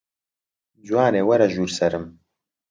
جوانێ وەرە ژوور سەرم